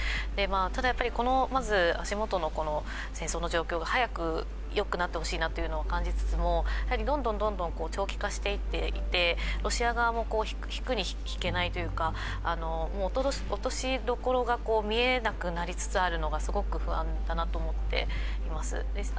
ただ、まず足元の戦争の状況が早くよくなってほしいなと感じつつもどんどん長期化していっていてロシア側も引くに引けないというか、落としどころが見えなくなりつつあるのがすごく不安だなと思っています。